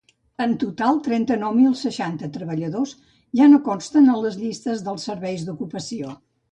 En total, trenta-nou mil seixanta treballadors ja no consten a les llistes dels serveis d’ocupació.